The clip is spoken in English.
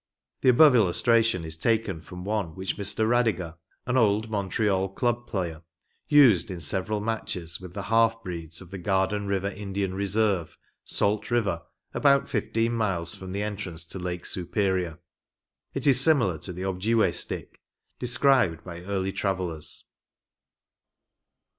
The above illustration is taken from one which Mr. Radiger, an old Montreal Club player, used in several matches with the half breeds of the Garden River Indian Reserve, Sault River, about 15 miles from the entrance to Lake Superior. It is similar to the Objiway stick described by early travellers.